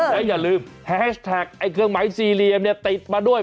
และอย่าลืมแฮชแท็กไอ้เครื่องหมายสี่เหลี่ยมเนี่ยติดมาด้วย